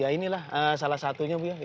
ya inilah salah satunya bu ya